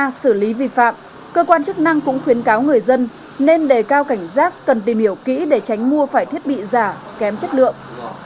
kiểm tra xử lý vi phạm cơ quan chức năng cũng khuyến cáo người dân nên đề cao cảnh giác cần tìm hiểu kỹ để tránh mua phải thiết bị giả kém chất lượng